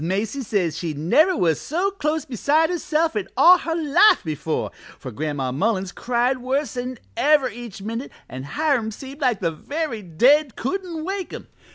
Macy says she never was so close beside herself in all her life before, for Gran'ma Mullins cried worse 'n ever each minute an' Hiram seemed like the very dead couldn't wake him.